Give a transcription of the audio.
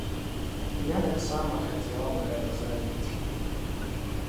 Я таксама хацела б гэта зрабіць.